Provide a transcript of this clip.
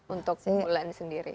untuk bulan sendiri